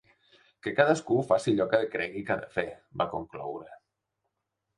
Que cadascú faci allò que cregui que ha de fer, va concloure.